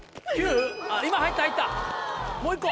今入った入ったもう１個。